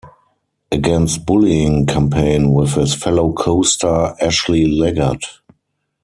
Against Bullying campaign with his fellow co-star Ashley Leggat.